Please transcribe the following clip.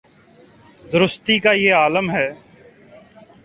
درستی کا یہ عالم ہے۔